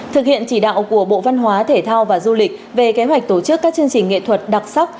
thực hiện chỉ đạo của bộ văn hóa thể thao và du lịch về kế hoạch tổ chức các chương trình nghệ thuật đặc sắc